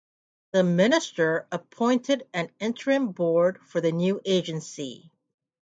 The Minister appointed an interim board for the new agency.